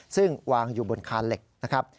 ซึ่งวางอยู่บนคานเหล็กนะครับ